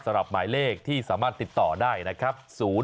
สำหรับหมายเลขที่สามารถติดต่อได้แน่ครับ๐๖๕๐๐๖๙๘๗๐